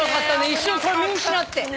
一瞬これ見失って。